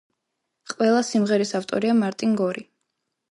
ყველა სიმღერის ავტორია მარტინ გორი.